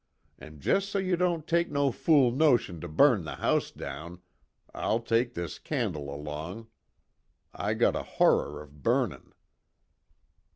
An' jest so you don't take no fool notion to burn the house down, I'll take this candle along. I got a horror of burnin'."